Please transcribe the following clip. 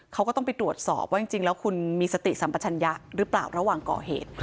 เขาก็ต้องไปตรวจสอบว่าจริงแล้วคุณมีสติสัมปัชญะหรือเปล่าระหว่างก่อเหตุ